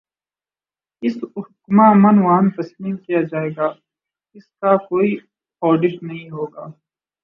اسے حکما من و عن تسلیم کیا جائے گا اور اس کا کوئی آڈٹ نہیں ہو گا۔